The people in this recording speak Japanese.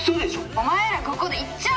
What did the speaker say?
「お前らここでいっちゃん